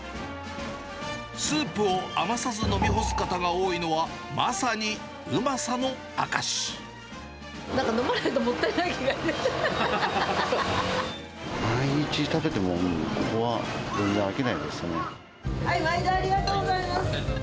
スープを余さず飲み干す方が多いのは、なんか飲まないともったいな毎日食べても、ここは全然飽毎度ありがとうございます。